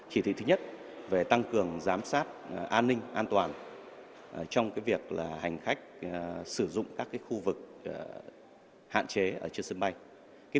chỉ thị thứ nhất về tăng cường giám sát an ninh an toàn trong việc hành khách sử dụng các khu vực hạn chế ở trên sân bay